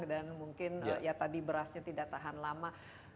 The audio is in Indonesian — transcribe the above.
dan mungkin ya tadi berasnya tidak tahan lama